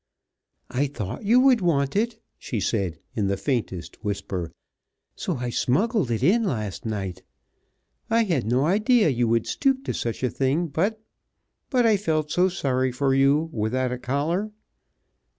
"I thought you would want it," she said in the faintest whisper, "so I smuggled it in last night. I had no idea you would stoop to such a thing, but but I felt so sorry for you, without a collar."